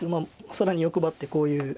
更に欲張ってこういうふうに。